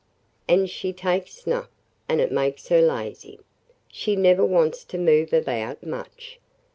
And she takes snuff, and it makes her lazy. She never wants to move about much.